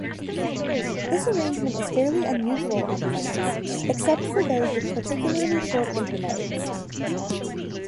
This arrangement is fairly unusual on plants except for those with particularly short internodes.